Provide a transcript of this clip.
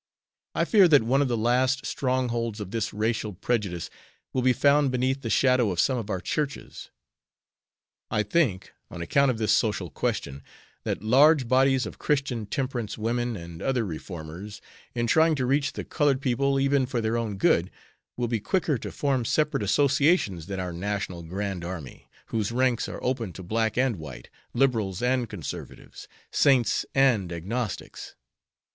I fear that one of the last strongholds of this racial prejudice will be found beneath the shadow of some of our churches. I think, on account of this social question, that large bodies of Christian temperance women and other reformers, in trying to reach the colored people even for their own good, will be quicker to form separate associations than our National Grand Army, whose ranks are open to black and white, liberals and conservatives, saints and agnostics.